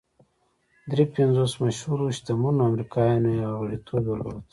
درې پنځوس مشهورو شتمنو امریکایانو یې غړیتوب درلود